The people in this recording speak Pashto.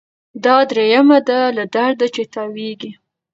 دا دریمه ده له درده چي تاویږي